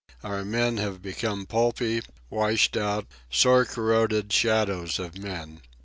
Our men have become pulpy, washed out, sore corroded shadows of men.